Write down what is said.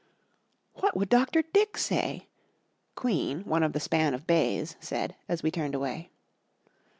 "What would Dr. Dick say?" Queen, one of the span of bays, said, as we turned away.